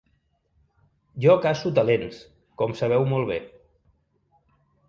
Jo caço talents, com sabeu molt bé.